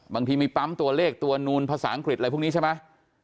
บางทีมีปั๊มตัวเลขตัวนูนภาษาอังกฤษอะไรพวกนี้ใช่ไหม